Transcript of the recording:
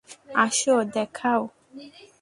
আসো, দেখাও।